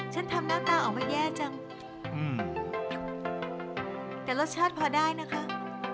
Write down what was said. ฉันทำหน้าออกมาแย่จังแต่รสชาติพอได้นะครับ